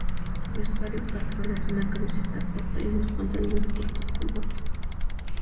Su vestuario casual es una camiseta corta y unos pantalones cortos con una botas.